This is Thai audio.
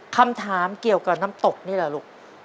คำถามเกี่ยวกับน้ำตกนี่แหละลูก